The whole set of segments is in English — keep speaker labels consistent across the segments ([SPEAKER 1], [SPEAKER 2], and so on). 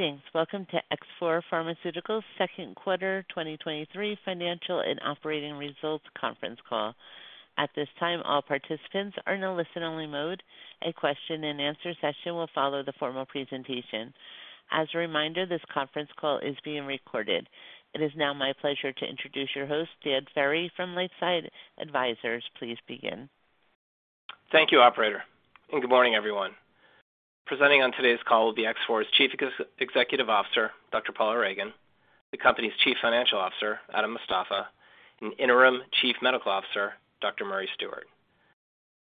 [SPEAKER 1] Greetings. Welcome to X4 Pharmaceuticals' second quarter 2023 Financial and Operating Results Conference Call. At this time, all participants are in a listen-only mode. A question-and-answer session will follow the formal presentation. As a reminder, this conference call is being recorded. It is now my pleasure to introduce your host, Dan Ferry from LifeSci Advisors. Please begin.
[SPEAKER 2] Thank you, operator. Good morning, everyone. Presenting on today's call will be X4's Chief Executive Officer, Dr. Paula Ragan; the company's Chief Financial Officer, Adam Mostafa; and Interim Chief Medical Officer, Dr. Murray Stewart.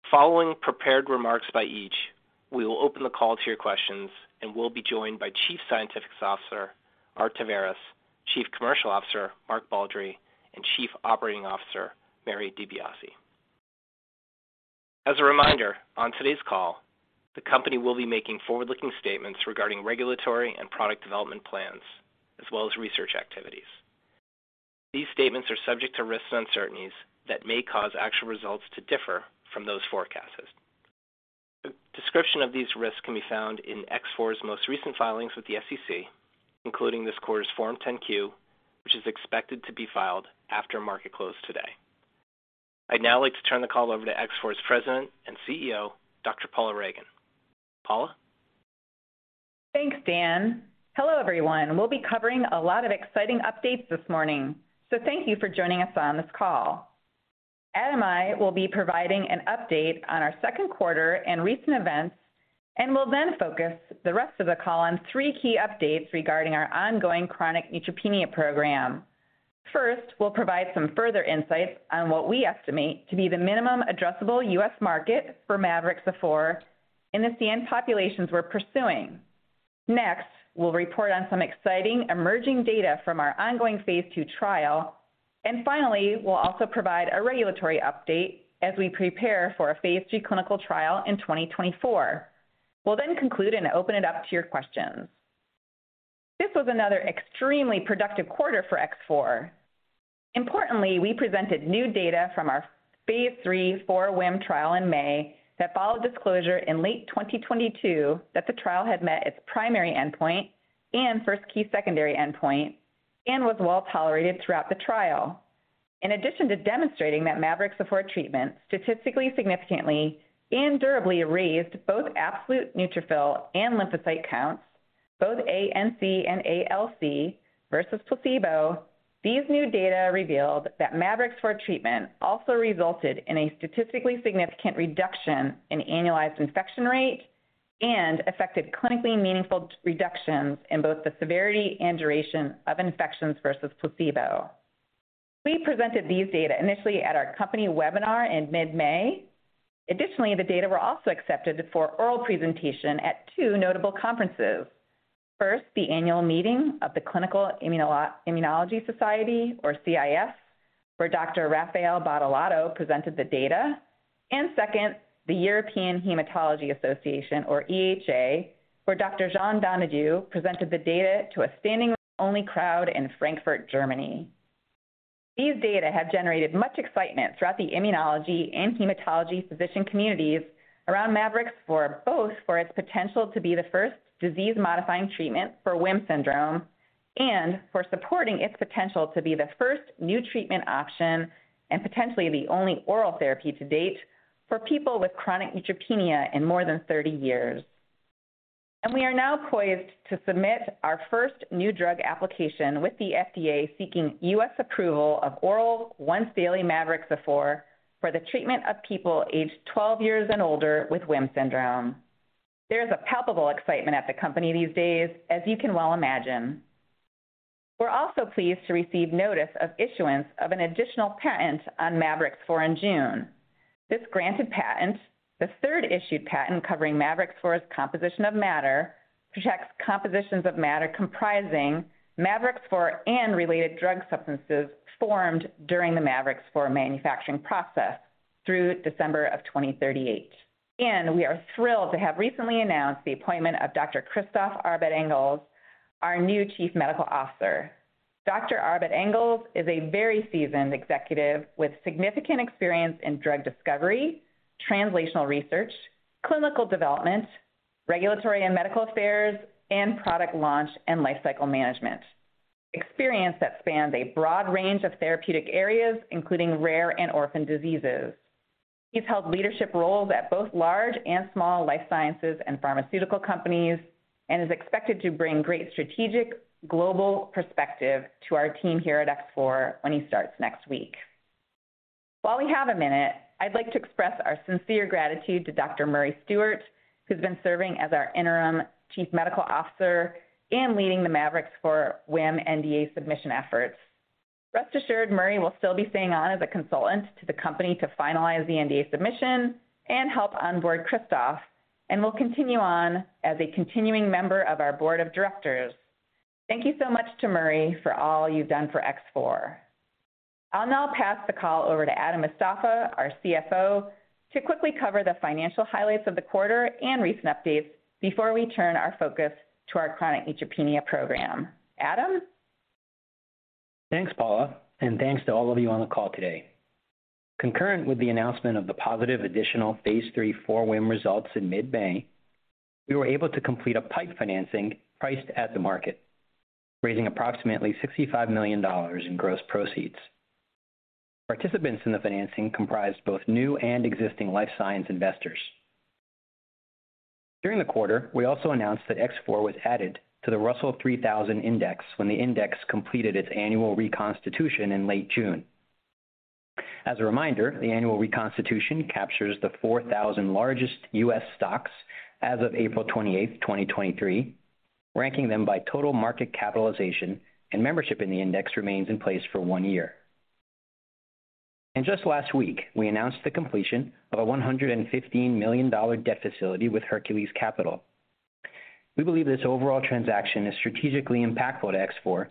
[SPEAKER 2] Following prepared remarks by each, we will open the call to your questions and we'll be joined by Chief Scientific Officer, Art Taveras, Chief Commercial Officer, Mark Baldry, and Chief Operating Officer, Mary DiBiase. As a reminder, on today's call, the company will be making forward-looking statements regarding regulatory and product development plans, as well as research activities. These statements are subject to risks and uncertainties that may cause actual results to differ from those forecasts. A description of these risks can be found in X4's most recent filings with the SEC, including this quarter's Form 10-Q, which is expected to be filed after market close today. I'd now like to turn the call over to X4's President and CEO, Dr. Paula Ragan. Paula?
[SPEAKER 3] Thanks, Dan. Hello, everyone. We'll be covering a lot of exciting updates this morning, thank you for joining us on this call. Adam and I will be providing an update on our second quarter and recent events, we'll then focus the rest of the call on three key updates regarding our ongoing chronic neutropenia program. First, we'll provide some further insights on what we estimate to be the minimum addressable U.S. market for mavorixafor in the CN populations we're pursuing. Next, we'll report on some exciting emerging data from our ongoing phase II trial. Finally, we'll also provide a regulatory update as we prepare for a phase III clinical trial in 2024. We'll conclude and open it up to your questions. This was another extremely productive quarter for X4. Importantly, we presented new data from our phase III 4WHIM trial in May that followed disclosure in late 2022 that the trial had met its primary endpoint and first key secondary endpoint and was well tolerated throughout the trial. In addition to demonstrating that mavorixafor treatment statistically significantly and durably raised both absolute neutrophil and lymphocyte counts, both ANC and ALC, versus placebo, these new data revealed that mavorixafor treatment also resulted in a statistically significant reduction in annualized infection rate and affected clinically meaningful reductions in both the severity and duration of infections versus placebo. We presented these data initially at our company webinar in mid-May. Additionally, the data were also accepted for oral presentation at two notable conferences. First, the annual meeting of the Clinical Immunology Society, or CIS, where Dr. Raphael Battochio presented the data, and second, the European Hematology Association, or EHA, where Dr. Jean Donadieu presented the data to a standing-room only crowd in Frankfurt, Germany. These data have generated much excitement throughout the immunology and hematology physician communities around mavorixafor, both for its potential to be the first disease-modifying treatment for WHIM syndrome and for supporting its potential to be the first new treatment option, and potentially the only oral therapy to date, for people with chronic neutropenia in more than 30 years. We are now poised to submit our first new drug application with the FDA, seeking U.S. approval of oral once-daily mavorixafor for the treatment of people aged 12 years and older with WHIM syndrome. There's a palpable excitement at the company these days, as you can well imagine. We're also pleased to receive notice of issuance of an additional patent on mavorixafor in June. This granted patent, the third issued patent covering mavorixafor's composition of matter, protects compositions of matter comprising mavorixafor and related drug substances formed during the mavorixafor manufacturing process through December of 2038. We are thrilled to have recently announced the appointment of Dr. Christophe Arbet-Engels, our new Chief Medical Officer. Dr. Arbet-Engels is a very seasoned executive with significant experience in drug discovery, translational research, clinical development, regulatory and medical affairs, and product launch and lifecycle management, experience that spans a broad range of therapeutic areas, including rare and orphan diseases. He's held leadership roles at both large and small life sciences and pharmaceutical companies, and is expected to bring great strategic global perspective to our team here at X4 when he starts next week. While we have a minute, I'd like to express our sincere gratitude to Dr. Murray Stewart, who's been serving as our Interim Chief Medical Officer and leading the mavorixafor WHIM NDA submission efforts. Rest assured, Murray will still be staying on as a consultant to the company to finalize the NDA submission and help onboard Christophe, will continue on as a continuing member of our board of directors. Thank you so much to Murray for all you've done for X4. I'll now pass the call over to Adam Mostafa, our CFO, to quickly cover the financial highlights of the quarter and recent updates before we turn our focus to our chronic neutropenia program. Adam?
[SPEAKER 4] Thanks, Paula, and thanks to all of you on the call today. Concurrent with the announcement of the positive additional phase III 4WHIM results in mid-May, we were able to complete a PIPE financing priced at the market, raising approximately $65 million in gross proceeds. Participants in the financing comprised both new and existing life science investors. During the quarter, we also announced that X4 was added to the Russell 3000 Index when the index completed its annual reconstitution in late June. As a reminder, the annual reconstitution captures the 4,000 largest U.S. stocks as of April 28, 2023, ranking them by total market capitalization and membership in the index remains in place for one year. Just last week, we announced the completion of a $115 million debt facility with Hercules Capital. We believe this overall transaction is strategically impactful to X4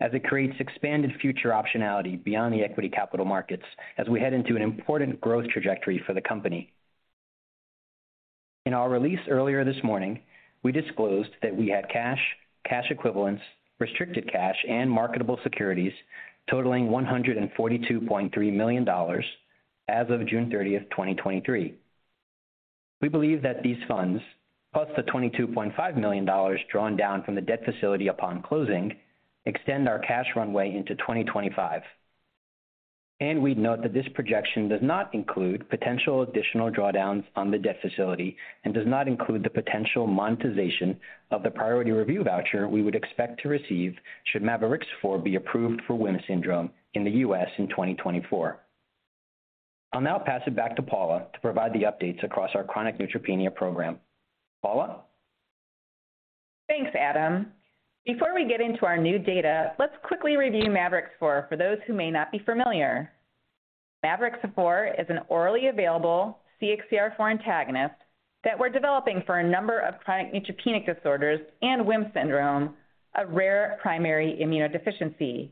[SPEAKER 4] as it creates expanded future optionality beyond the equity capital markets as we head into an important growth trajectory for the company. In our release earlier this morning, we disclosed that we had cash, cash equivalents, restricted cash, and marketable securities totaling $142.3 million as of June 30, 2023. We believe that these funds, plus the $22.5 million drawn down from the debt facility upon closing, extend our cash runway into 2025. We'd note that this projection does not include potential additional drawdowns on the debt facility and does not include the potential monetization of the priority review voucher we would expect to receive should mavorixafor be approved for WHIM syndrome in the U.S. in 2024. I'll now pass it back to Paula to provide the updates across our chronic neutropenia program. Paula?
[SPEAKER 3] Thanks, Adam. Before we get into our new data, let's quickly review mavorixafor for those who may not be familiar. Mavorixafor is an orally available CXCR4 antagonist that we're developing for a number of chronic neutropenic disorders and WHIM syndrome, a rare primary immunodeficiency.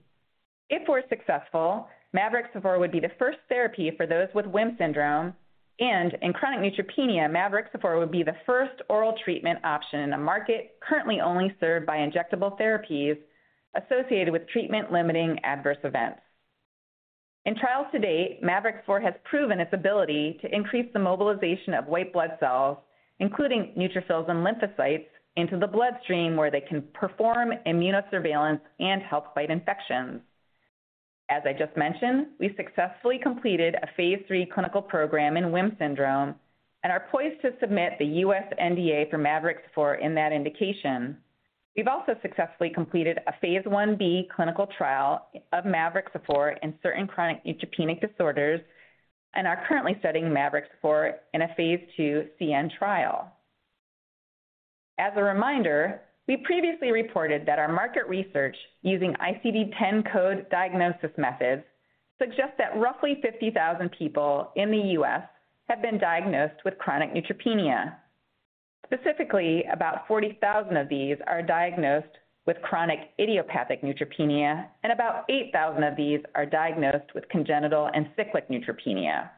[SPEAKER 3] If we're successful, mavorixafor would be the first therapy for those with WHIM syndrome, and in chronic neutropenia, mavorixafor would be the first oral treatment option in a market currently only served by injectable therapies associated with treatment-limiting adverse events. In trials to date, mavorixafor has proven its ability to increase the mobilization of white blood cells, including neutrophils and lymphocytes, into the bloodstream, where they can perform immunosurveillance and help fight infections. As I just mentioned, we successfully completed a phase III clinical program in WHIM syndrome and are poised to submit the U.S. NDA for mavorixafor in that indication. We've also successfully completed a phase I-B clinical trial of mavorixafor in certain chronic neutropenic disorders and are currently studying mavorixafor in a phase II CN trial. As a reminder, we previously reported that our market research using ICD-10 code diagnosis methods suggest that roughly 50,000 people in the U.S. have been diagnosed with chronic neutropenia. Specifically, about 40,000 of these are diagnosed with chronic idiopathic neutropenia, and about 8,000 of these are diagnosed with congenital and cyclic neutropenia.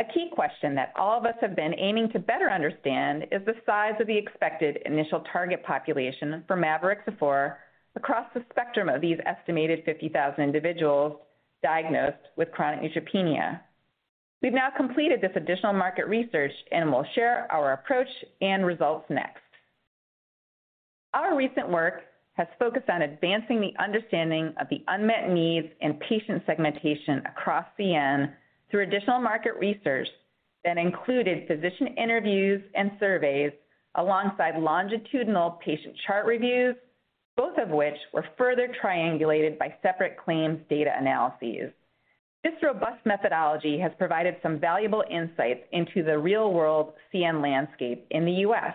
[SPEAKER 3] A key question that all of us have been aiming to better understand is the size of the expected initial target population for mavorixafor across the spectrum of these estimated 50,000 individuals diagnosed with chronic neutropenia. We've now completed this additional market research, and we'll share our approach and results next. Our recent work has focused on advancing the understanding of the unmet needs and patient segmentation across CN through additional market research that included physician interviews and surveys, alongside longitudinal patient chart reviews, both of which were further triangulated by separate claims data analyses. This robust methodology has provided some valuable insights into the real-world CN landscape in the U.S. What this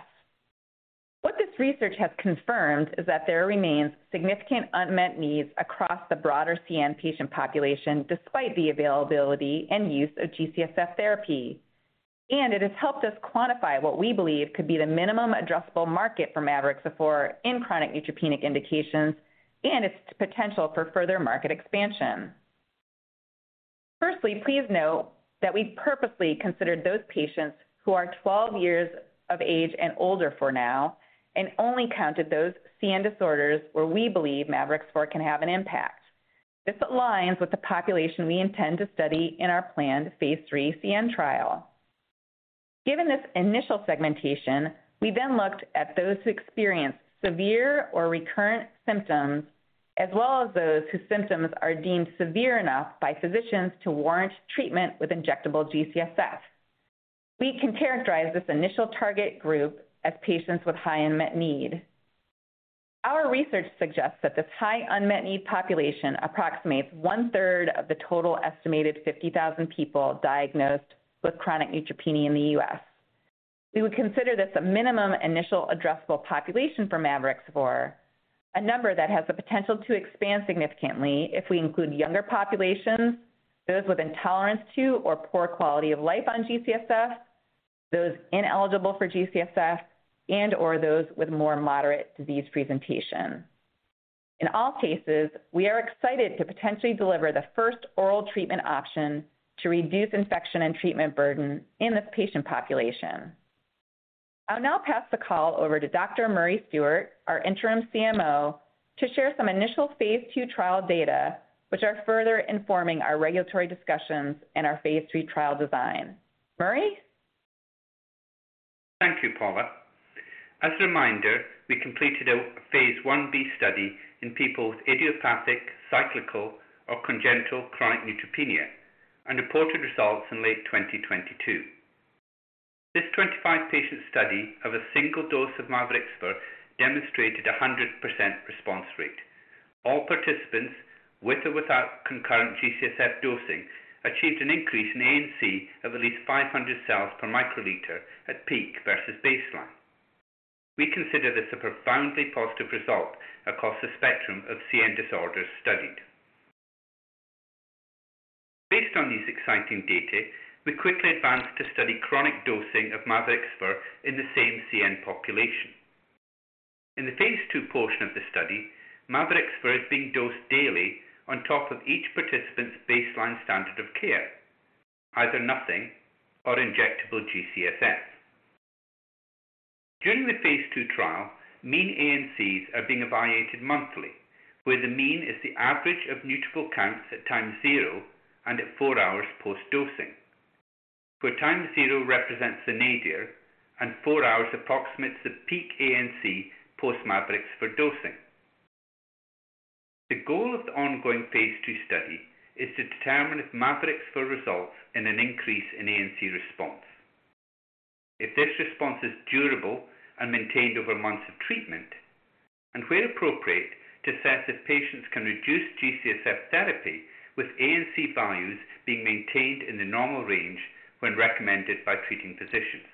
[SPEAKER 3] research has confirmed is that there remains significant unmet needs across the broader CN patient population, despite the availability and use of G-CSF therapy. It has helped us quantify what we believe could be the minimum addressable market for mavorixafor in chronic neutropenic indications and its potential for further market expansion. Firstly, please note that we purposely considered those patients who are 12 years of age and older for now and only counted those CN disorders where we believe mavorixafor can have an impact. This aligns with the population we intend to study in our planned phase III CN trial. Given this initial segmentation, we then looked at those who experienced severe or recurrent symptoms, as well as those whose symptoms are deemed severe enough by physicians to warrant treatment with injectable G-CSF. We can characterize this initial target group as patients with high unmet need. Our research suggests that this high unmet need population approximates one-third of the total estimated 50,000 people diagnosed with chronic neutropenia in the U.S. We would consider this a minimum initial addressable population for mavorixafor, a number that has the potential to expand significantly if we include younger populations, those with intolerance to or poor quality of life on G-CSF, those ineligible for G-CSF, and/or those with more moderate disease presentation. In all cases, we are excited to potentially deliver the first oral treatment option to reduce infection and treatment burden in this patient population.... I'll now pass the call over to Dr. Murray Stewart, our interim CMO, to share some initial phase II trial data, which are further informing our regulatory discussions and our phase III trial design. Murray?
[SPEAKER 5] Thank you, Paula. As a reminder, we completed a phase I-B study in people with idiopathic, cyclical, or congenital chronic neutropenia, and reported results in late 2022. This 25-patient study of a single dose of mavorixafor demonstrated a 100% response rate. All participants, with or without concurrent G-CSF dosing, achieved an increase in ANC of at least 500 cells per microliter at peak versus baseline. We consider this a profoundly positive result across the spectrum of CN disorders studied. Based on these exciting data, we quickly advanced to study chronic dosing of mavorixafor in the same CN population. In the phase II portion of the study, mavorixafor is being dosed daily on top of each participant's baseline standard of care, either nothing or injectable G-CSF. During the phase II trial, mean ANCs are being evaluated monthly, where the mean is the average of neutrophil counts at time zero and at four hours post-dosing, where time zero represents the nadir, and four hours approximates the peak ANC post-mavorixafor dosing. The goal of the ongoing phase II study is to determine if mavorixafor results in an increase in ANC response, if this response is durable and maintained over months of treatment, and where appropriate, to assess if patients can reduce G-CSF therapy with ANC values being maintained in the normal range when recommended by treating physicians.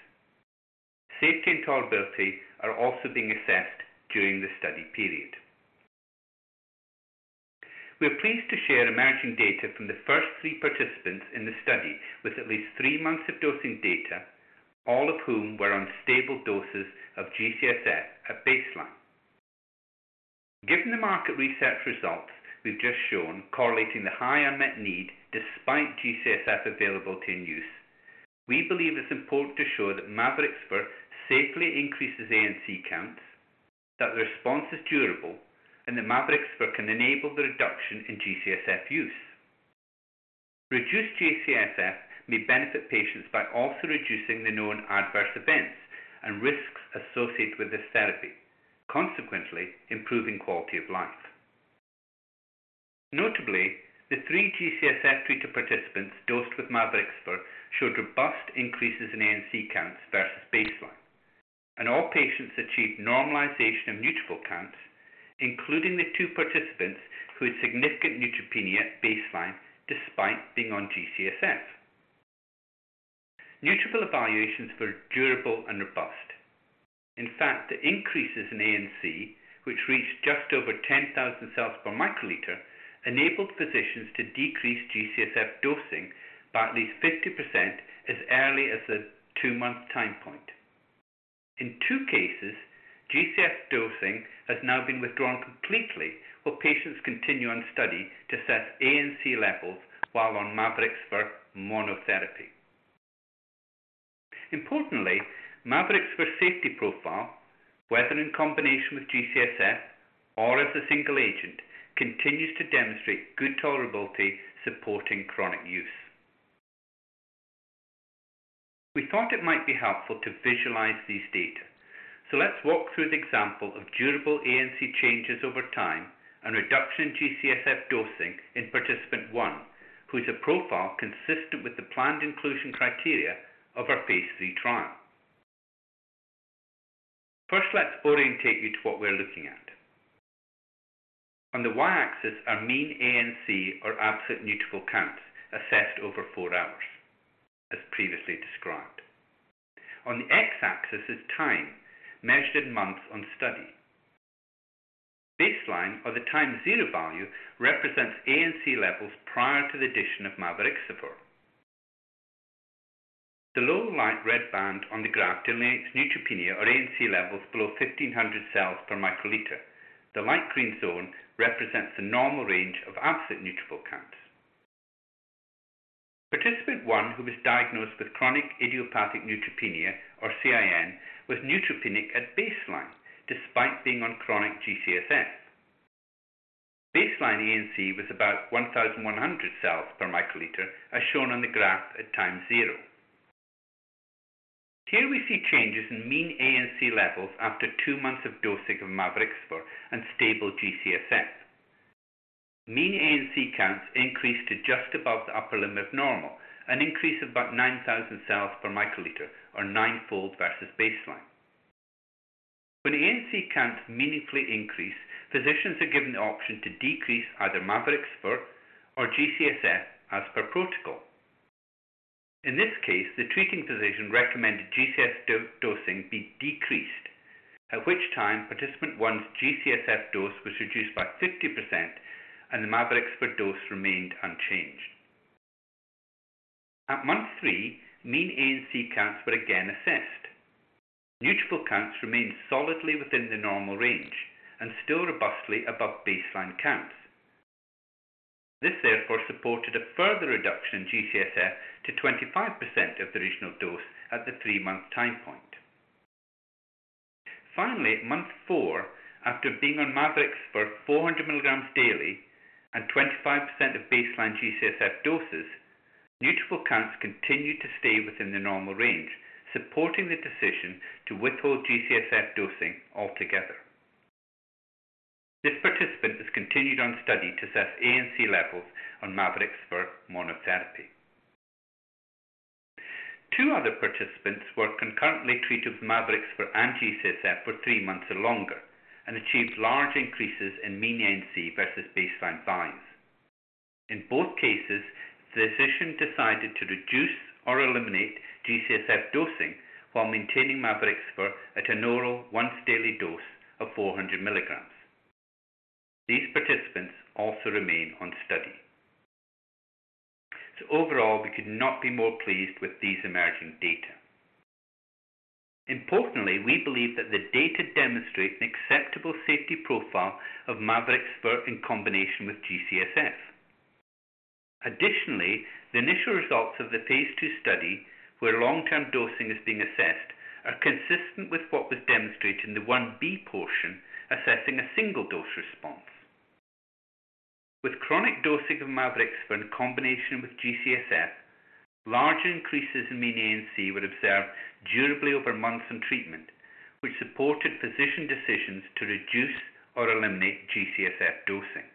[SPEAKER 5] Safety and tolerability are also being assessed during the study period. We are pleased to share emerging data from the first three participants in the study with at least three months of dosing data, all of whom were on stable doses of G-CSF at baseline. Given the market research results we've just shown correlating the high unmet need despite G-CSF available to use, we believe it's important to show that mavorixafor safely increases ANC counts, that the response is durable, and that mavorixafor can enable the reduction in G-CSF use. Reduced G-CSF may benefit patients by also reducing the known adverse events and risks associated with this therapy, consequently, improving quality of life. Notably, the three G-CSF-treated participants dosed with mavorixafor showed robust increases in ANC counts versus baseline, and all patients achieved normalization of neutrophil counts, including the two participants who had significant neutropenia at baseline despite being on G-CSF. Neutrophil evaluations were durable and robust. In fact, the increases in ANC, which reached just over 10,000 cells per microliter, enabled physicians to decrease G-CSF dosing by at least 50% as early as the two-month time point. In two cases, G-CSF dosing has now been withdrawn completely, while patients continue on study to assess ANC levels while on mavorixafor monotherapy. Importantly, mavorixafor's safety profile, whether in combination with G-CSF or as a single agent, continues to demonstrate good tolerability, supporting chronic use. We thought it might be helpful to visualize these data. Let's walk through the example of durable ANC changes over time and reduction in G-CSF dosing in participant one, who has a profile consistent with the planned inclusion criteria of our phase III trial. First, let's orientate you to what we're looking at. On the Y-axis are mean ANC or absolute neutrophil counts assessed over four hours, as previously described. On the X-axis is time, measured in months on study. Baseline, or the time zero value, represents ANC levels prior to the addition of mavorixafor. The low light red band on the graph delineates neutropenia, or ANC levels below 1,500 cells per microliter. The light green zone represents the normal range of absolute neutrophil counts. Participant one, who was diagnosed with chronic idiopathic neutropenia, or CIN, was neutropenic at baseline despite being on chronic G-CSF. Baseline ANC was about 1,100 cells per microliter, as shown on the graph at time zero. Here, we see changes in mean ANC levels after two months of dosing of mavorixafor and stable G-CSF. Mean ANC counts increased to just above the upper limit of normal, an increase of about 9,000 cells per microliter or ninefold versus baseline. When ANC counts meaningfully increase, physicians are given the option to decrease either mavorixafor or G-CSF as per protocol. In this case, the treating physician recommended G-CSF do-dosing be decreased, at which time, participant one's G-CSF dose was reduced by 50%, and the mavorixafor dose remained unchanged. At month three, mean ANC counts were again assessed. Neutrophil counts remained solidly within the normal range and still robustly above baseline counts. This therefore supported a further reduction in G-CSF to 25% of the original dose at the three-month time point. Finally, at month four, after being on mavorixafor 400 milligrams daily and 25% of baseline G-CSF doses, neutrophil counts continued to stay within the normal range, supporting the decision to withhold G-CSF dosing altogether. This participant has continued on study to assess ANC levels on mavorixafor monotherapy. Two other participants were concurrently treated with mavorixafor and G-CSF for three months or longer and achieved large increases in mean ANC versus baseline signs. In both cases, the physician decided to reduce or eliminate G-CSF dosing while maintaining mavorixafor at an oral once daily dose of 400 milligrams. These participants also remain on study. Overall, we could not be more pleased with these emerging data. Importantly, we believe that the data demonstrate an acceptable safety profile of mavorixafor in combination with G-CSF. Additionally, the initial results of the phase II study, where long-term dosing is being assessed, are consistent with what was demonstrated in the phase I-B portion, assessing a single dose response. With chronic dosing of mavorixafor in combination with G-CSF, large increases in mean ANC were observed durably over months on treatment, which supported physician decisions to reduce or eliminate G-CSF dosing.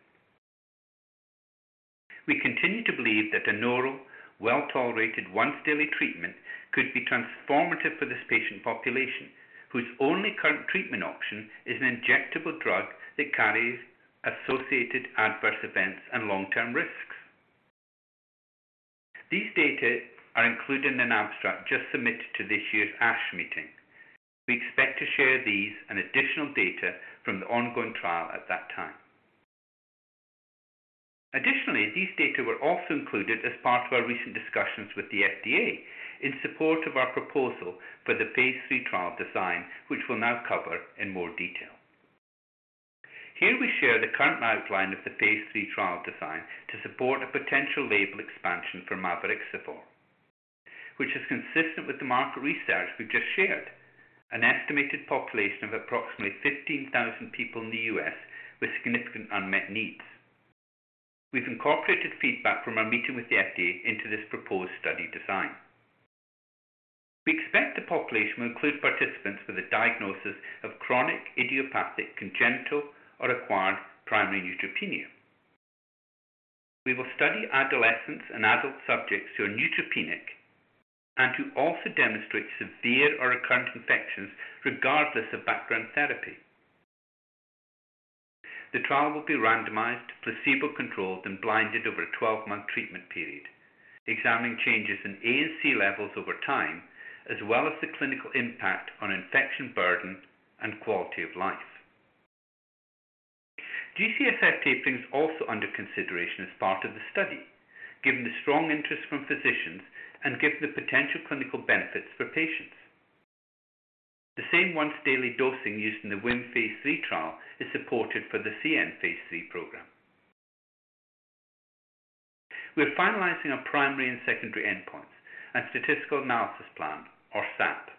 [SPEAKER 5] We continue to believe that an oral, well-tolerated, once daily treatment could be transformative for this patient population, whose only current treatment option is an injectable drug that carries associated adverse events and long-term risks. These data are included in an abstract just submitted to this year's ASH meeting. We expect to share these and additional data from the ongoing trial at that time. Additionally, these data were also included as part of our recent discussions with the FDA in support of our proposal for the phase III trial design, which we'll now cover in more detail. Here we share the current outline of the phase III trial design to support a potential label expansion for mavorixafor, which is consistent with the market research we've just shared, an estimated population of approximately 15,000 people in the U.S. with significant unmet needs. We've incorporated feedback from our meeting with the FDA into this proposed study design. We expect the population will include participants with a diagnosis of chronic idiopathic, congenital, or acquired primary neutropenia. We will study adolescents and adult subjects who are neutropenic and who also demonstrate severe or recurrent infections regardless of background therapy. The trial will be randomized, placebo-controlled, and blinded over a 12-month treatment period, examining changes in ANC levels over time, as well as the clinical impact on infection burden and quality of life. G-CSF tapering is also under consideration as part of the study, given the strong interest from physicians and given the potential clinical benefits for patients. The same once-daily dosing used in the WHIM phase III trial is supported for the CN phase III program. We're finalizing our primary and secondary endpoints and statistical analysis plan, or SAP.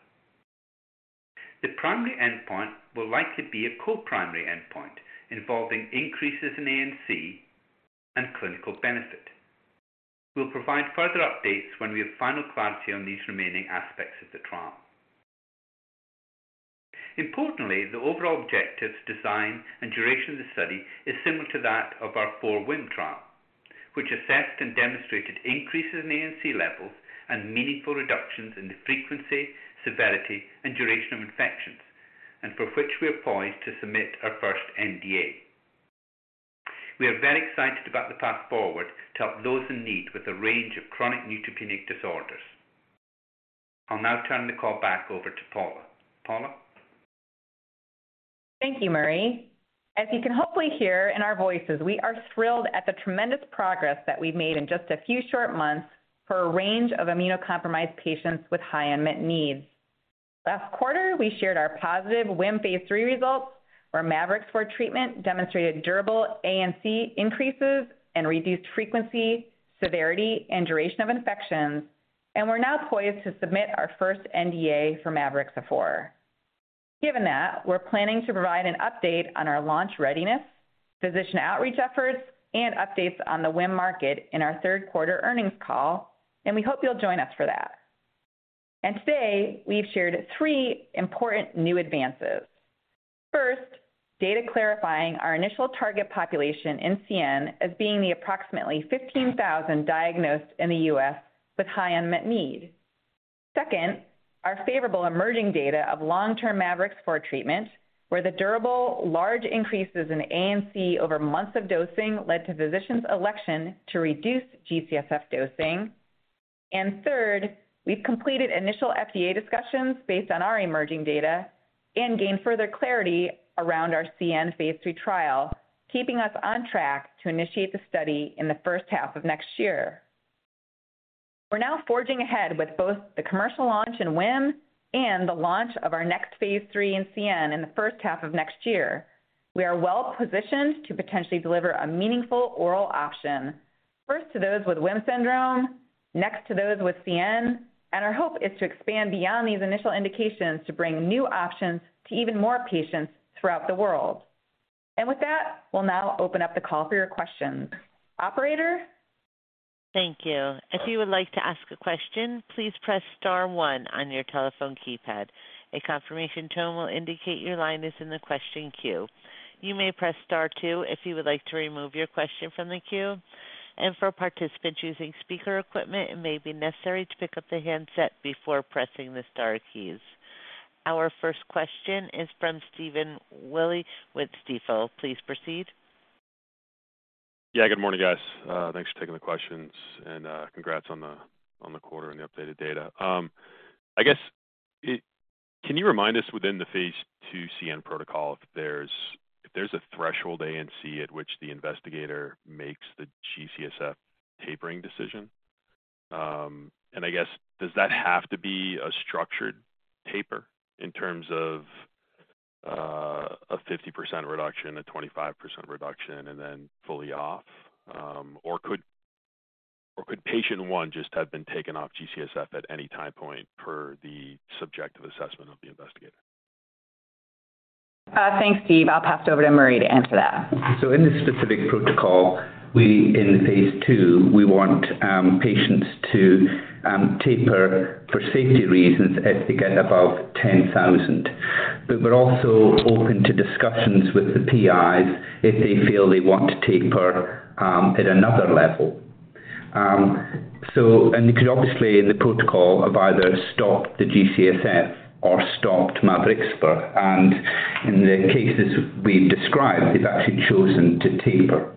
[SPEAKER 5] The primary endpoint will likely be a co-primary endpoint involving increases in ANC and clinical benefit. We'll provide further updates when we have final clarity on these remaining aspects of the trial. Importantly, the overall objectives, design, and duration of the study is similar to that of our 4WHIM trial, which assessed and demonstrated increases in ANC levels and meaningful reductions in the frequency, severity, and duration of infections, and for which we are poised to submit our first NDA. We are very excited about the path forward to help those in need with a range of chronic neutropenic disorders. I'll now turn the call back over to Paula. Paula?
[SPEAKER 3] Thank you, Murray. As you can hopefully hear in our voices, we are thrilled at the tremendous progress that we've made in just a few short months for a range of immunocompromised patients with high unmet needs. Last quarter, we shared our positive WHIM phase III results, where mavorixafor treatment demonstrated durable ANC increases and reduced frequency, severity, and duration of infections, and we're now poised to submit our first NDA for mavorixafor. Given that, we're planning to provide an update on our launch readiness, physician outreach efforts, and updates on the WHIM market in our third quarter earnings call, and we hope you'll join us for that. Today, we've shared three important new advances. First, data clarifying our initial target population in CN as being the approximately 15,000 diagnosed in the U.S. with high unmet need. Second, our favorable emerging data of long-term mavorixafor treatment, where the durable, large increases in ANC over months of dosing led to physicians' election to reduce G-CSF dosing. Third, we've completed initial FDA discussions based on our emerging data and gained further clarity around our CN phase III trial, keeping us on track to initiate the study in the first half of next year. We're now forging ahead with both the commercial launch in WHIM and the launch of our next phase III in CN in the first half of next year. We are well positioned to potentially deliver a meaningful oral option, first to those with WHIM syndrome, next to those with CN, and our hope is to expand beyond these initial indications to bring new options to even more patients throughout the world. With that, we'll now open up the call for your questions. Operator?
[SPEAKER 1] Thank you. If you would like to ask a question, please press star one on your telephone keypad. A confirmation tone will indicate your line is in the question queue. You may press star two if you would like to remove your question from the queue. For participants using speaker equipment, it may be necessary to pick up the handset before pressing the star keys. Our first question is from Stephen Willey with Stifel. Please proceed.
[SPEAKER 6] Yeah, good morning, guys. Thanks for taking the questions, congrats on the quarter and the updated data. I guess, can you remind us within the phase II CN protocol, if there's a threshold ANC at which the investigator makes the G-CSF tapering decision? I guess, does that have to be a structured taper in terms of a 50% reduction, a 25% reduction, and then fully off? Could patient one just have been taken off G-CSF at any time point per the subjective assessment of the investigator?
[SPEAKER 3] Thanks, Steve. I'll pass it over to Murray to answer that.
[SPEAKER 5] In this specific protocol, we in phase II, we want patients to taper for safety reasons if they get above 10,000. We're also open to discussions with the PIs if they feel they want to taper at another level. You could obviously, in the protocol, have either stopped the G-CSF or stopped mavorixafor. In the cases we've described, they've actually chosen to taper.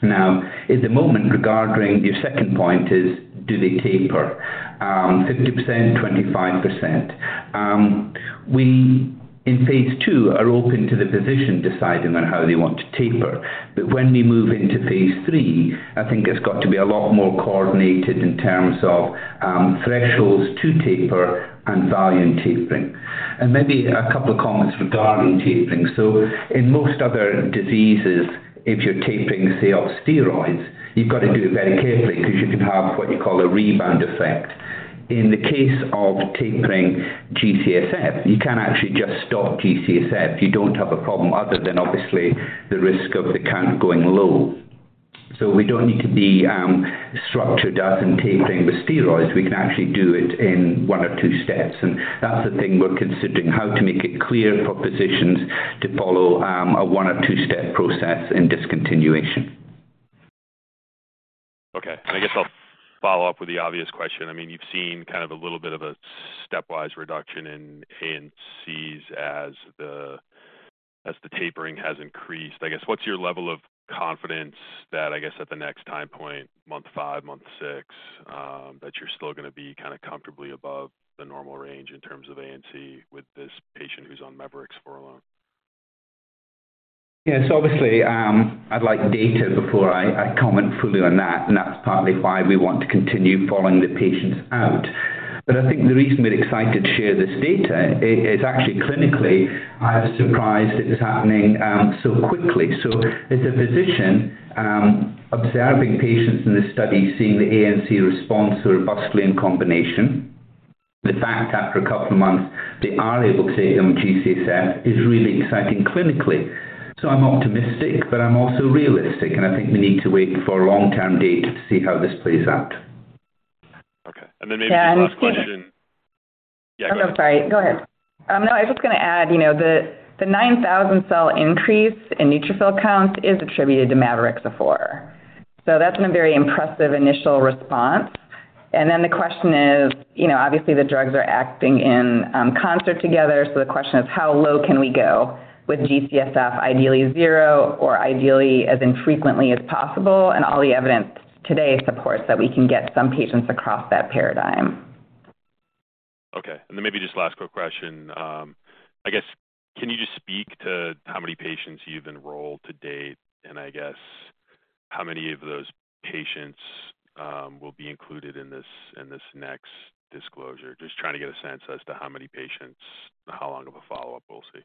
[SPEAKER 5] Now, at the moment, regarding your second point, is do they taper 50%, 25%? We, in phase II, are open to the physician deciding on how they want to taper. When we move into phase III, I think it's got to be a lot more coordinated in terms of thresholds to taper and value in tapering. Maybe a couple of comments regarding tapering. In most other diseases, if you're tapering, say, off steroids, you've got to do it very carefully because you can have what you call a rebound effect. In the case of tapering G-CSF, you can actually just stop G-CSF. You don't have a problem other than obviously the risk of the count going low. We don't need to be as structured as in tapering with steroids. We can actually do it in one or two steps, and that's the thing we're considering, how to make it clear for physicians to follow a one or two-step process in discontinuation.
[SPEAKER 6] Okay. I guess I'll follow up with the obvious question. I mean, you've seen kind of a little bit of a stepwise reduction in ANCs as the, as the tapering has increased. I guess, what's your level of confidence that, I guess, at the next time point, month five, month six, that you're still going to be kind of comfortably above the normal range in terms of ANC with this patient who's on mavorixafor alone?
[SPEAKER 5] Yes, obviously, I'd like data before I, I comment fully on that, and that's partly why we want to continue following the patients out. I think the reason we're excited to share this data is actually clinically, I was surprised it was happening so quickly. As a physician, observing patients in this study, seeing the ANC response so robustly in combination, the fact after a couple of months, they are able to take them G-CSF is really exciting clinically. I'm optimistic, but I'm also realistic, and I think we need to wait for long-term data to see how this plays out.
[SPEAKER 6] Okay. Then maybe last question.
[SPEAKER 3] Yeah.
[SPEAKER 6] Yeah.
[SPEAKER 3] I'm sorry. Go ahead. no, I was just going to add, you know, the, the 9,000 cell increase in neutrophil count is attributed to mavorixafor. That's been a very impressive initial response. The question is, you know, obviously, the drugs are acting in concert together. The question is: How low can we go with G-CSF, ideally zero, or ideally as infrequently as possible? All the evidence today supports that we can get some patients across that paradigm.
[SPEAKER 6] Okay. Then maybe just last quick question. I guess, can you just speak to how many patients you've enrolled to date? I guess, how many of those patients, will be included in this, in this next disclosure? Just trying to get a sense as to how many patients, how long of a follow-up we'll see.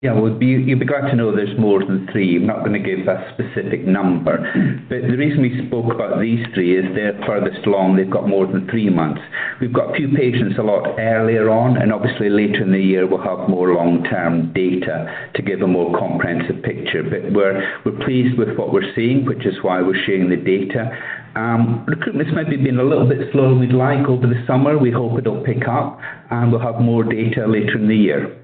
[SPEAKER 6] Thanks.
[SPEAKER 5] Well, you'd be glad to know there's more than three. I'm not going to give a specific number. The reason we spoke about these three is they're furthest along. They've got more than three months. We've got a few patients a lot earlier on, and obviously later in the year, we'll have more long-term data to give a more comprehensive picture. We're, we're pleased with what we're seeing, which is why we're sharing the data. Recruitment's maybe been a little bit slower than we'd like over the summer. We hope it'll pick up, and we'll have more data later in the year.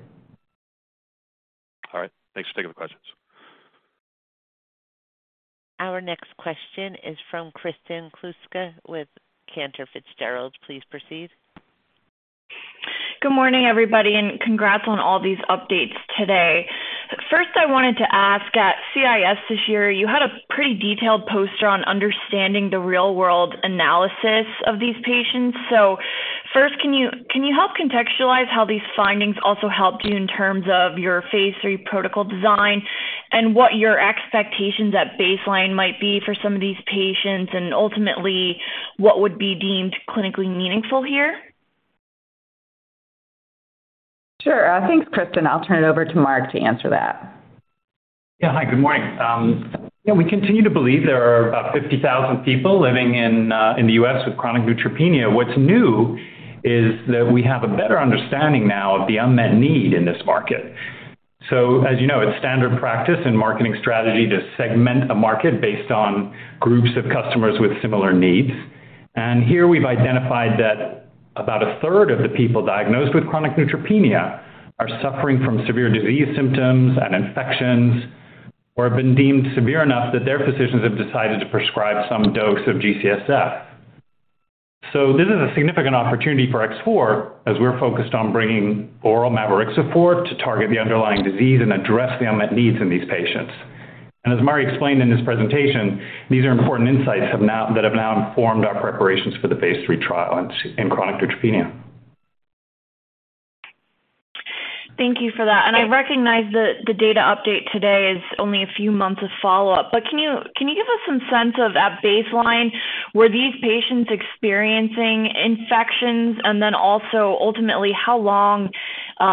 [SPEAKER 6] All right. Thanks for taking the questions.
[SPEAKER 1] Our next question is from Kristen Kluska with Cantor Fitzgerald. Please proceed.
[SPEAKER 7] Good morning, everybody. Congrats on all these updates today. First, I wanted to ask, at CIS this year, you had a pretty detailed poster on understanding the real-world analysis of these patients. First, can you, can you help contextualize how these findings also helped you in terms of your phase III protocol design and what your expectations at baseline might be for some of these patients, and ultimately, what would be deemed clinically meaningful here?
[SPEAKER 3] Sure. Thanks, Kristen. I'll turn it over to Mark to answer that.
[SPEAKER 8] Hi, good morning. We continue to believe there are about 50,000 people living in the U.S. with chronic neutropenia. What's new is that we have a better understanding now of the unmet need in this market. As you know, it's standard practice in marketing strategy to segment a market based on groups of customers with similar needs. Here we've identified that about a third of the people diagnosed with chronic neutropenia are suffering from severe disease symptoms and infections, or have been deemed severe enough that their physicians have decided to prescribe some dose of G-CSF. This is a significant opportunity for X4 as we're focused on bringing oral mavorixafor to target the underlying disease and address the unmet needs in these patients. as Marty explained in his presentation, these are important insights that have now informed our preparations for the phase III trial in, in chronic neutropenia.
[SPEAKER 7] Thank you for that. I recognize that the data update today is only a few months of follow-up, but can you, can you give us some sense of at baseline, were these patients experiencing infections? Also, ultimately, how long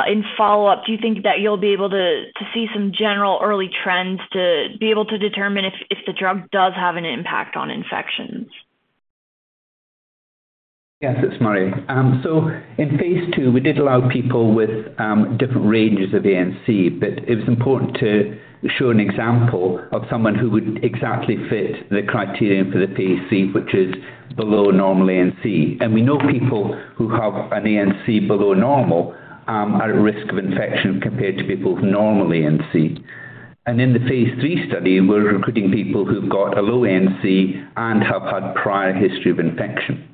[SPEAKER 7] in follow-up do you think that you'll be able to, to see some general early trends to be able to determine if, if the drug does have an impact on infections?
[SPEAKER 5] Yes, it's Murray Stewart. In phase II, we did allow people with different ranges of ANC, but it was important to show an example of someone who would exactly fit the criterion for the PAC, which is below normal ANC. We know people who have an ANC below normal are at risk of infection compared to people with normal ANC. In the phase III study, we're recruiting people who've got a low ANC and have had prior history of infection.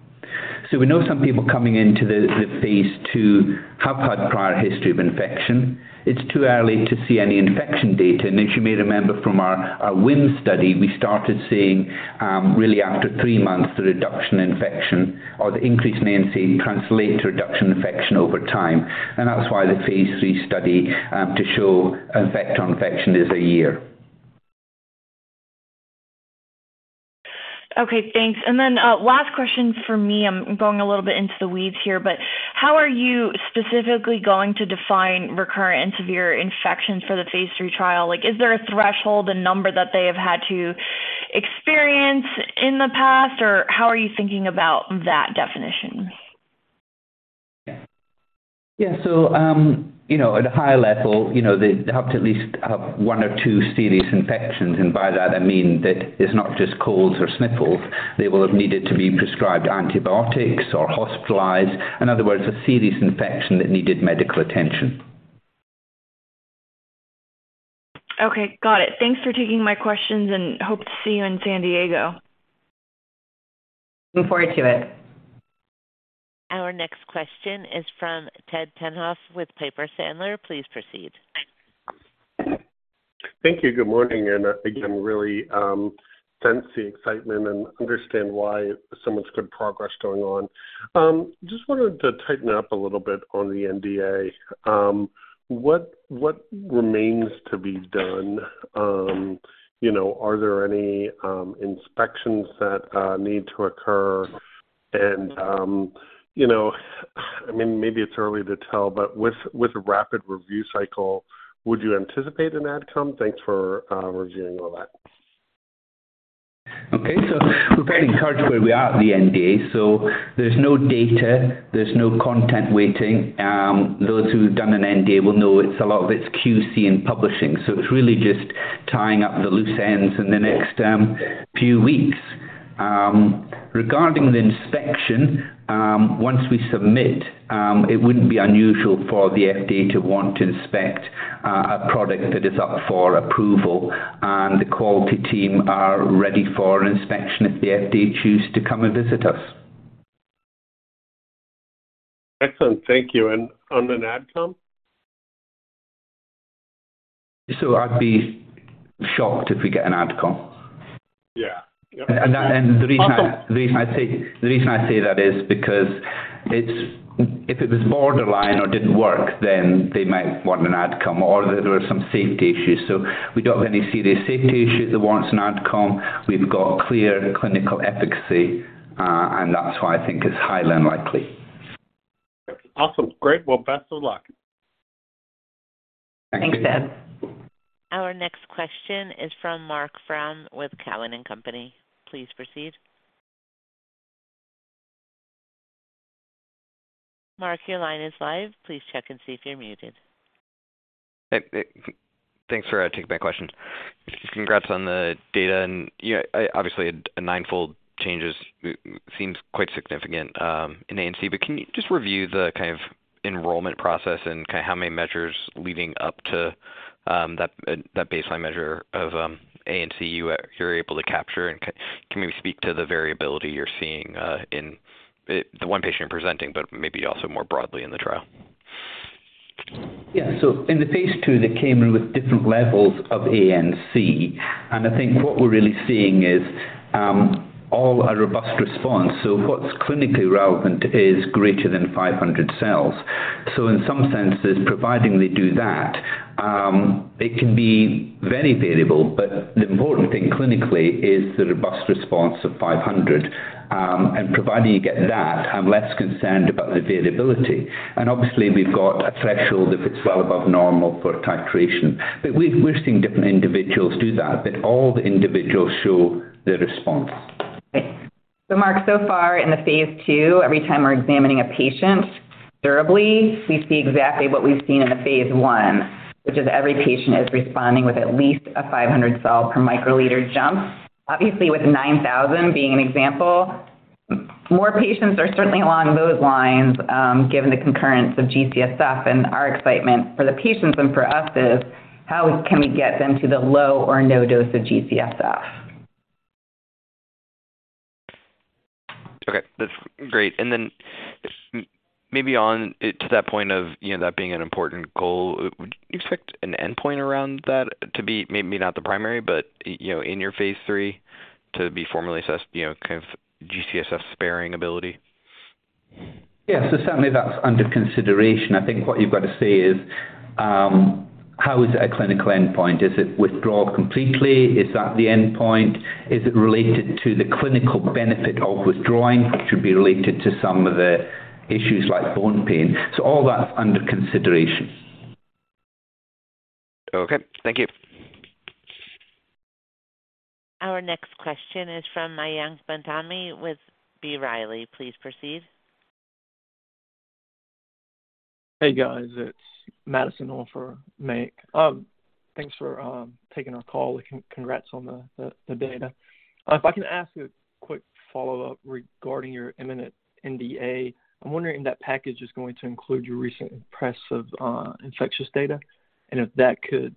[SPEAKER 5] We know some people coming into the phase II have had prior history of infection. It's too early to see any infection data. As you may remember from our WHIM study, we started seeing really after three months, the reduction in infection or the increase in ANC translate to reduction in infection over time. That's why the phase III study, to show effect on infection is a year.
[SPEAKER 7] Okay, thanks. Then, last question for me. I'm going a little bit into the weeds here, but how are you specifically going to define recurrent and severe infections for the phase III trial? Like, is there a threshold, a number that they have had to experience in the past, or how are you thinking about that definition?
[SPEAKER 5] Yeah. You know, at a high level, you know, they have to at least have one or two serious infections, and by that I mean that it's not just colds or sniffles. They will have needed to be prescribed antibiotics or hospitalized. In other words, a serious infection that needed medical attention.
[SPEAKER 7] Okay, got it. Thanks for taking my questions, and hope to see you in San Diego.
[SPEAKER 3] Looking forward to it.
[SPEAKER 1] Our next question is from Ted Tenthoff with Piper Sandler. Please proceed.
[SPEAKER 9] Thank you. Good morning, really sense the excitement and understand why so much good progress going on. Just wanted to tighten up a little bit on the NDA. What, what remains to be done? You know, are there any inspections that need to occur? You know, I mean, maybe it's early to tell, but with a rapid review cycle, would you anticipate an AdCom? Thanks for reviewing all that.
[SPEAKER 5] Okay. We're very encouraged where we are at the NDA, so there's no data, there's no content waiting. Those who've done an NDA will know it's a lot of it's QC and publishing, so it's really just tying up the loose ends in the next few weeks. Regarding the inspection, once we submit, it wouldn't be unusual for the FDA to want to inspect a product that is up for approval, and the quality team are ready for an inspection if the FDA choose to come and visit us.
[SPEAKER 9] Excellent. Thank you. On an AdCom?
[SPEAKER 5] I'd be shocked if we get an AdCom.
[SPEAKER 9] Yeah.
[SPEAKER 5] The reason I say that is because it's. If it was borderline or didn't work, then they might want an AdCom or there were some safety issues. We don't have any serious safety issues that warrants an AdCom. We've got clear clinical efficacy, and that's why I think it's highly unlikely.
[SPEAKER 9] Awesome. Great. Well, best of luck.
[SPEAKER 3] Thanks, Ted.
[SPEAKER 1] Our next question is from Mark Frahm with Cowen and Company. Please proceed. Mark, your line is live. Please check and see if you're muted.
[SPEAKER 10] Hey, thanks for taking my questions. Congrats on the data, yeah, obviously, a nine-fold changes seems quite significant in ANC. Can you just review the kind of enrollment process and kind of how many measures leading up to that, that baseline measure of ANC you're able to capture? Can you speak to the variability you're seeing in the one patient you're presenting, but maybe also more broadly in the trial?
[SPEAKER 5] Yeah. In the phase II, they came in with different levels of ANC, and I think what we're really seeing is all a robust response. What's clinically relevant is greater than 500 cells. In some senses, providing they do that, it can be very variable, but the important thing clinically is the robust response of 500. Providing you get that, I'm less concerned about the variability. Obviously, we've got a threshold if it's well above normal for titration. We've seen different individuals do that, but all the individuals show the response.
[SPEAKER 3] Marc, so far in the phase II, every time we're examining a patient durably, we see exactly what we've seen in the phase I, which is every patient is responding with at least a 500 cell per microliter jump. Obviously, with 9,000 being an example, more patients are certainly along those lines, given the concurrence of G-CSF and our excitement for the patients and for us is: how can we get them to the low or no dose of G-CSF?
[SPEAKER 10] Okay, that's great. And then maybe on, to that point of, you know, that being an important goal, would you expect an endpoint around that to be maybe not the primary, but, you know, in your phase III to be formally assessed, you know, kind of G-CSF sparing ability?
[SPEAKER 5] Yeah. Certainly that's under consideration. I think what you've got to say is, how is it a clinical endpoint? Is it withdraw completely? Is that the endpoint? Is it related to the clinical benefit of withdrawing, which would be related to some of the issues like bone pain? All that's under consideration.
[SPEAKER 10] Okay, thank you.
[SPEAKER 1] Our next question is from Mayank Mamtani with B. Riley. Please proceed.
[SPEAKER 11] Hey, guys, it's Madison on for Mayank. Thanks for taking our call, and congrats on the, the, the data. If I can ask a quick follow-up regarding your imminent NDA. I'm wondering if that package is going to include your recent impressive infectious data and if that could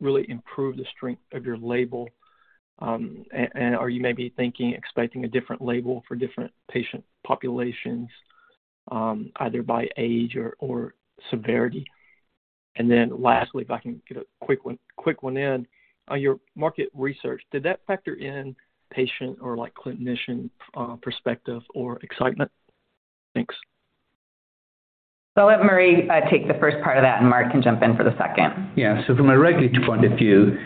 [SPEAKER 11] really improve the strength of your label. Are you maybe thinking, expecting a different label for different patient populations, either by age or, or severity? Then lastly, if I can get a quick one, quick one in. On your market research, did that factor in patient or like clinician perspective or excitement? Thanks.
[SPEAKER 3] I'll let Murray Stewart take the first part of that, and Mark can jump in for the second.
[SPEAKER 5] Yeah. From a regulatory point of view,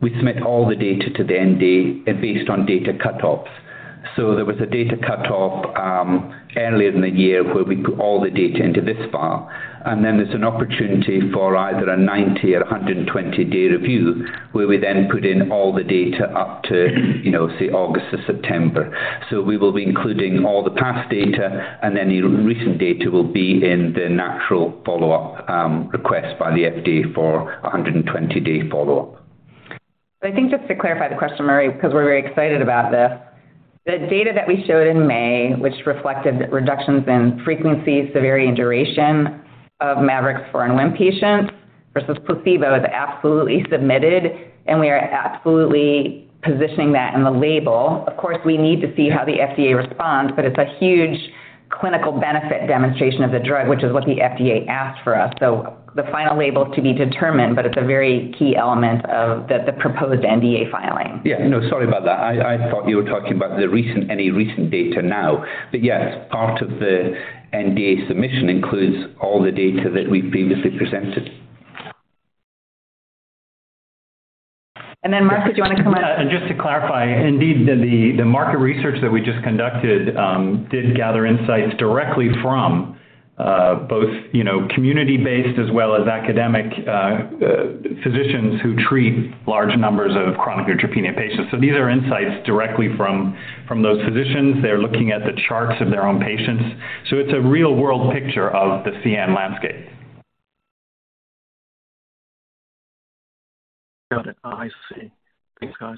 [SPEAKER 5] we submit all the data to the NDA based on data cutoffs. There was a data cutoff earlier in the year where we put all the data into this file, and then there's an opportunity for either a 90- or a 120-day review, where we then put in all the data up to, you know, say, August or September. We will be including all the past data, and any recent data will be in the natural follow-up request by the FDA for a 120-day follow-up.
[SPEAKER 3] I think just to clarify the question, Murray, because we're very excited about this. The data that we showed in May, which reflected reductions in frequency, severity, and duration of mavorixafor and WHIM patients versus placebo, is absolutely submitted, and we are absolutely positioning that in the label. Of course, we need to see how the FDA responds, but it's a huge clinical benefit demonstration of the drug, which is what the FDA asked for us. The final label is to be determined, but it's a very key element of the proposed NDA filing.
[SPEAKER 5] Yeah. No, sorry about that. I, I thought you were talking about the recent, any recent data now. Yes, part of the NDA submission includes all the data that we've previously presented.
[SPEAKER 3] Then, Mark, did you want to come in?
[SPEAKER 8] Just to clarify, indeed, the, the, the market research that we just conducted, did gather insights directly from, both, you know, community-based as well as academic physicians who treat large numbers of chronic neutropenia patients. These are insights directly from, from those physicians. They're looking at the charts of their own patients. It's a real-world picture of the CN landscape.
[SPEAKER 11] Got it. I see. Thanks, guys.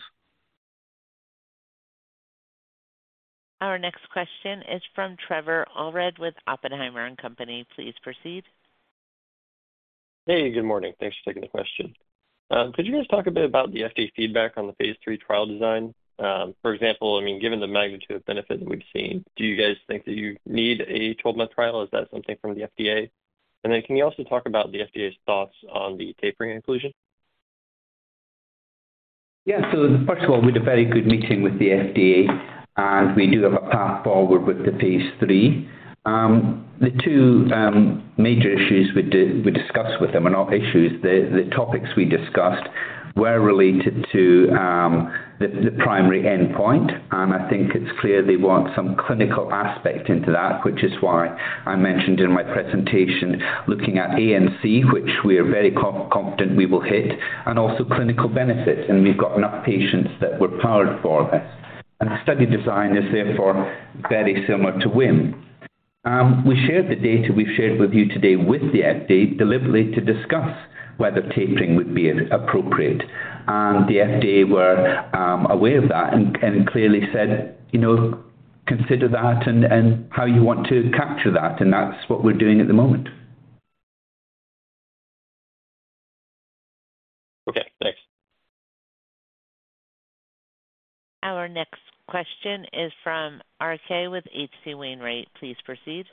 [SPEAKER 1] Our next question is from Trevor Allred with Oppenheimer & Co.. Please proceed.
[SPEAKER 12] Hey, good morning. Thanks for taking the question. could you just talk a bit about the FDA feedback on the phase III trial design? For example, I mean, given the magnitude of benefit that we've seen, do you guys think that you need a 12-month trial? Is that something from the FDA? Then can you also talk about the FDA's thoughts on the tapering inclusion?
[SPEAKER 5] First of all, we had a very good meeting with the FDA, and we do have a path forward with the phase III. The two major issues we discussed with them are not issues. The topics we discussed were related to the primary endpoint, and I think it's clear they want some clinical aspect into that, which is why I mentioned in my presentation, looking at ANC, which we are very confident we will hit, and also clinical benefits, and we've got enough patients that were powered for this. The study design is therefore very similar to WHIM. We shared the data we've shared with you today with the FDA deliberately to discuss whether tapering would be appropriate. The FDA were aware of that and, and clearly said, "You know, consider that and, and how you want to capture that," and that's what we're doing at the moment.
[SPEAKER 12] Okay, thanks.
[SPEAKER 1] Our next question is from RK with H.C. Wainwright. Please proceed.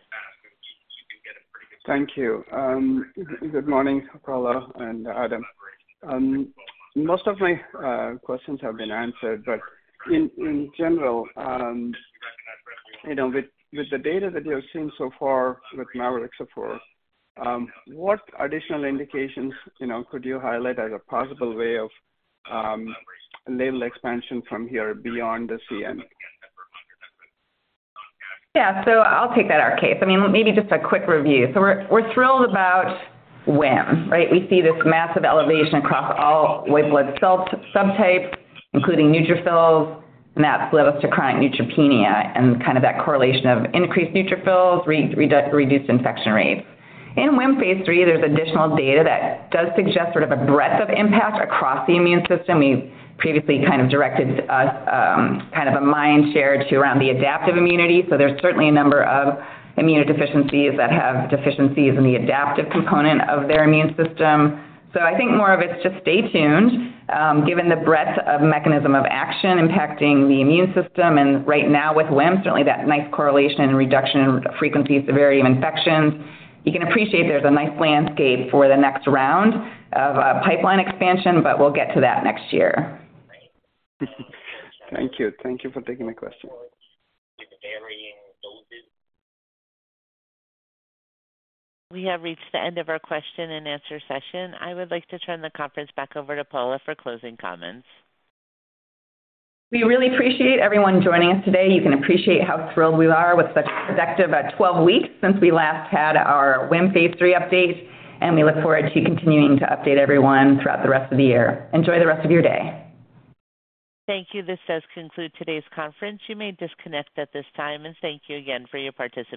[SPEAKER 13] Thank you. Good morning, Paula and Adam. Most of my questions have been answered, but in general, you know, with, with the data that you have seen so far with mavorixafor, what additional indications, you know, could you highlight as a possible way of label expansion from here beyond the CN? I'll take that, RK. I mean maybe just a quick review. We're, we're thrilled about WHIM, right? We see this massive elevation across all white blood cell subtypes, including neutrophils, and that's led us to chronic neutropenia and kind of that correlation of increased neutrophils, reduced infection rates. In WHIM Phase 3, there's additional data that does suggest sort of a breadth of impact across the immune system. We previously kind of directed us, kind of a mind share to around the adaptive immunity.
[SPEAKER 3] There's certainly a number of immunodeficiencies that have deficiencies in the adaptive component of their immune system. I think more of it's just stay tuned, given the breadth of mechanism of action impacting the immune system, and right now with WHIM, certainly that nice correlation and reduction in frequency, severity of infections. You can appreciate there's a nice landscape for the next round of pipeline expansion, but we'll get to that next year. Thank you. Thank you for taking my question.
[SPEAKER 1] We have reached the end of our question and answer session. I would like to turn the conference back over to Paula for closing comments.
[SPEAKER 3] We really appreciate everyone joining us today. You can appreciate how thrilled we are with such productive, 12 weeks since we last had our WHIM phase III update. We look forward to continuing to update everyone throughout the rest of the year. Enjoy the rest of your day.
[SPEAKER 1] Thank you. This does conclude today's conference. You may disconnect at this time. Thank you again for your participation.